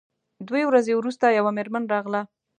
دوې ورځې وروسته یوه میرمن راغله.